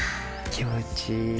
気持ちいい。